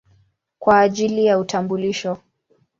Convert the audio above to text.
kwa ajili ya utambulisho.